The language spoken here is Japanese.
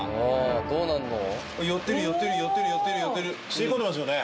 吸い込んでますよね。